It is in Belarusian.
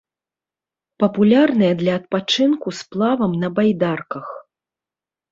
Папулярная для адпачынку сплавам на байдарках.